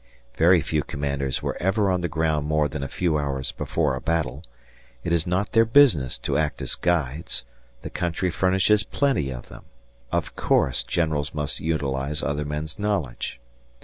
Very few commanders were ever on the ground more than a few hours before a battle; it is not their business to act as guides the country furnishes plenty of them. Of course, generals must utilize other men's knowledge.